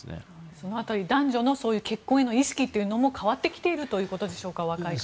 その辺り男女の結婚への意識というのも変わってきているということでしょうか。